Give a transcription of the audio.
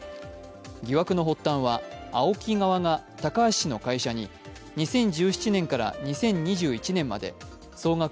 疑惑の発端はＡＯＫＩ川が高橋氏の会社側に２０１７年から２０２１年まで総額